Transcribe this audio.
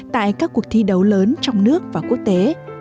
tại các cuộc thi đấu lớn trong nước và quốc tế